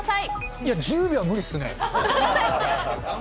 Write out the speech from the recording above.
いや、１０秒は無理っすね。